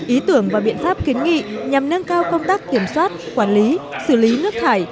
ý tưởng và biện pháp kiến nghị nhằm nâng cao công tác kiểm soát quản lý xử lý nước thải